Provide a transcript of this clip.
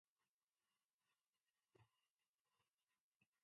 It was in the form of an unusual purple vapor.